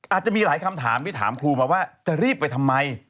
อาจจะมีหลายคำถามที่ถามครูมาว่าจะรีบไปทำไม